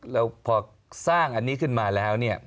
แล้วพอสร้างอันนี้ขึ้นมาแล้วเนี่ย